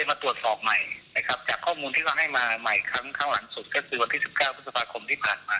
มาตรวจสอบใหม่นะครับจากข้อมูลที่เขาให้มาใหม่ครั้งครั้งหลังสุดก็คือวันที่๑๙พฤษภาคมที่ผ่านมา